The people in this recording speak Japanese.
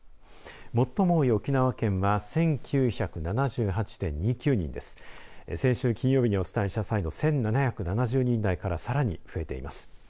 最も多い沖縄県は先週金曜日にお伝えした際の１７７０人台からさらに増えています。